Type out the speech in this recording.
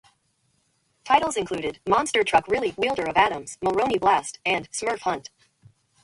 Titles included "Monster Truck Rally", "Wielder Of Atoms", "Mulroney Blast" and "Smurf Hunt".